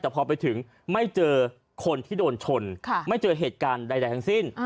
แต่พอไปถึงไม่เจอคนที่โดนชนไม่เจอเหตุการณ์ใดทั้งสิ้น